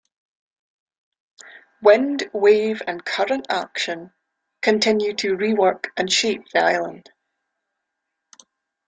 Wind, wave and current action continue to rework and shape the island.